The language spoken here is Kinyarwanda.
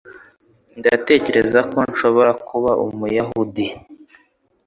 Ndatekereza ko nshobora kuba Umuyahudi.